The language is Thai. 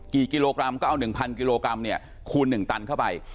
กี่กิโลกรัมก็เอา๑๐๐กิโลกรัมเนี่ยคูณ๑ตันเข้าไป